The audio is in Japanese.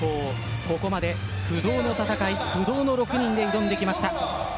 ここまで不動の戦い不動の６人で挑んできました。